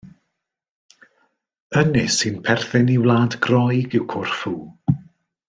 Ynys sy'n perthyn i wlad Groeg yw Corfu.